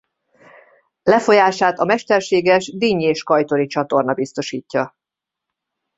Lefolyását a mesterséges Dinnyés–Kajtori-csatorna biztosítja.